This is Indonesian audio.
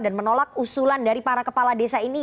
dan menolak usulan dari para kepala desa ini